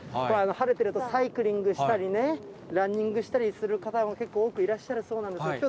これ、晴れてるとサイクリングしたりね、ランニングしたりする方も、結構多くいらっしゃるそうなんです。